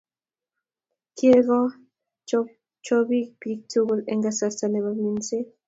Keiko chopog pig tukul en kasarta nepo minset.